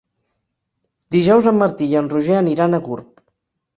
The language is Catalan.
Dijous en Martí i en Roger aniran a Gurb.